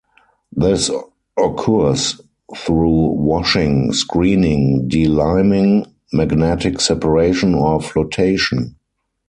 This occurs through washing, screening, de-liming, magnetic separation or flotation.